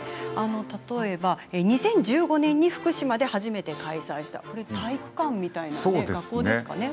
例えば２０１５年に福島で初めて開催したそのときは体育館学校ですかね。